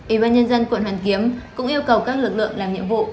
ủy ban nhân dân quận hoàn kiếm cũng yêu cầu các lực lượng làm nhiệm vụ